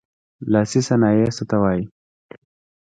لاسي صنایع څه ته وايي.